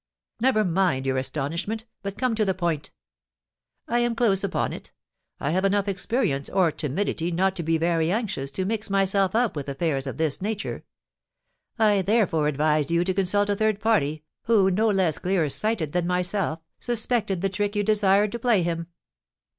"Never mind your astonishment, but come to the point." "I am close upon it. I have enough experience or timidity not to be very anxious to mix myself up with affairs of this nature; I therefore advised you to consult a third party, who, no less clear sighted than myself, suspected the trick you desired to play him."